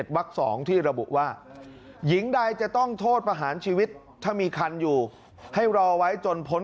วัก๒ที่ระบุว่าหญิงใดจะต้องโทษประหารชีวิตถ้ามีคันอยู่ให้รอไว้จนพ้น